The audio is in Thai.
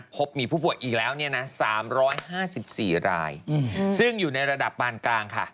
พบมีผู้ป่วยอีกแล้ว๓๕๔รายซึ่งอยู่ในระดับปานกลางค่ะ